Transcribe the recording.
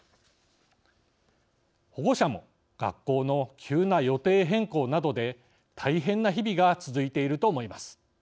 保護者も学校の急な予定変更などで大変な日々が続いていると思います。